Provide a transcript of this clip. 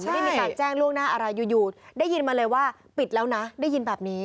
ไม่ได้มีการแจ้งล่วงหน้าอะไรอยู่ได้ยินมาเลยว่าปิดแล้วนะได้ยินแบบนี้